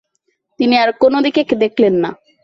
তিনি আর কোন দিকে দেখলেন না।